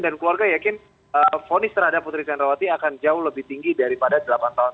dan keluarga yakin ponis terhadap putri candawati akan jauh lebih tinggi daripada delapan tahun